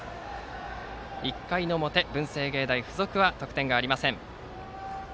１回の表、文星芸大付属は得点がありません。